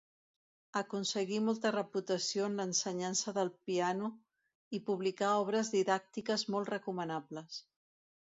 Aconseguí molta reputació en l'ensenyança del piano i publicà obres didàctiques molt recomanables.